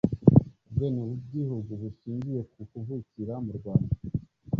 ubwenegihugu bushingiye ku kuvukira mu rwanda